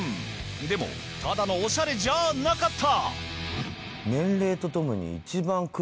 でもただのオシャレじゃなかった！